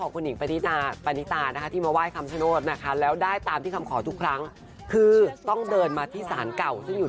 คือถ้าใครไปค้ำชนโลดใดก็ก็จะมีศาสตร์